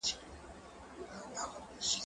زه مخکي د کتابتون پاکوالی کړی وو،